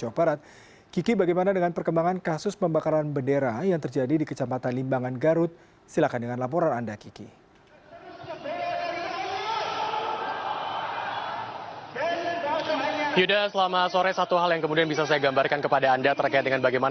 kepolisian telah menyesalkan kejadian pembakaran bendera yang bertuliskan kalimat taufik tersebut karena telah menimbulkan kegaduhan di kalangan masyarakat